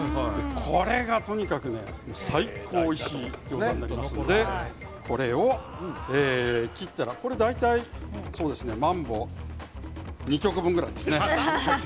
これが最高においしいギョーザになりますのでこれは大体マンボ２曲分ぐらいですね。